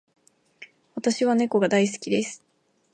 私は猫が大好きです。